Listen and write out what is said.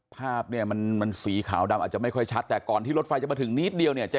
ภาพเนี่ยมันสีขาวดำอาจจะไม่ค่อยชัดแต่ก่อนที่รถไฟจะมาถึงนิดเดียวเนี่ย